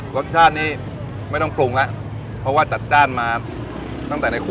รสชาตินี้ไม่ต้องปรุงแล้วเพราะว่าจัดจ้านมาตั้งแต่ในครัว